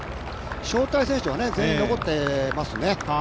招待選手は全員残ってますね。